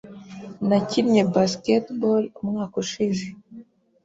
Nakinnye basketball umwaka ushize.